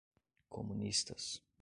comunistas